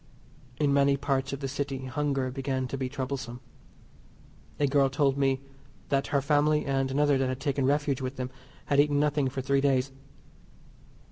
In many parts of the City hunger began to be troublesome. A girl told me that her family, and another that had taken refuge with them, had eaten nothing for three days.